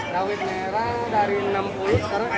rawit merah dari lima puluh sekarang tujuh puluh